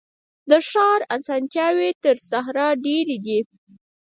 د ښار اسانتیاوي تر صحرا ډیري دي.